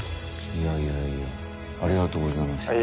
いやいや、ありがとうございました。